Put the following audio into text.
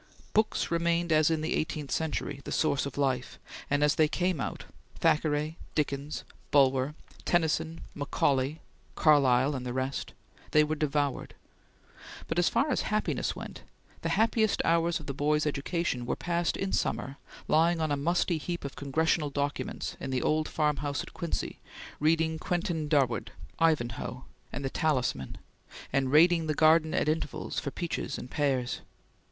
Books remained as in the eighteenth century, the source of life, and as they came out Thackeray, Dickens, Bulwer, Tennyson, Macaulay, Carlyle, and the rest they were devoured; but as far as happiness went, the happiest hours of the boy's education were passed in summer lying on a musty heap of Congressional Documents in the old farmhouse at Quincy, reading "Quentin Durward," "Ivanhoe," and "The Talisman," and raiding the garden at intervals for peaches and pears.